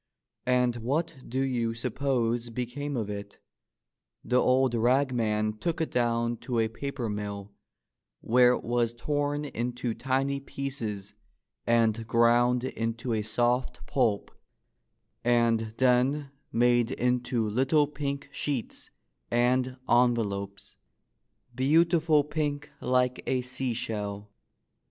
And what do you suppose became of it? The old rag man took it down to a paper mill, where it was torn into tiny pieces and ground into a soft pulp and then made into little pink sheets and envelopes — beautiful pink like a seashell!